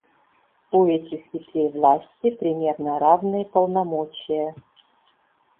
У этих ветвей власти примерно равные полномочия.